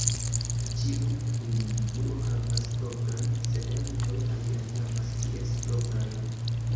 Ĉiu individuo havas propran, sed ankaŭ aliaj havas ties proprajn.